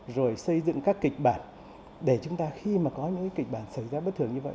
rồi xây dựng các kịch bản để chúng ta khi mà có những kịch bản xảy ra bất thường như vậy